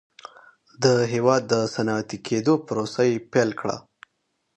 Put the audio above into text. د هېواد د صنعتي کېدو پروسه یې پیل کړه.